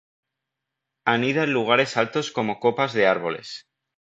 Anida en lugares altos como copas de árboles.